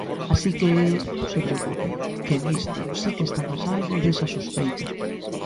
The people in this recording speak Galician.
Así que, non se preocupen que nisto si que están a salvo desa sospeita.